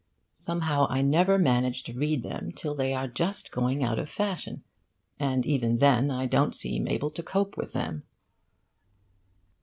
Somehow I never manage to read them till they are just going out of fashion, and even then I don't seem able to cope with them.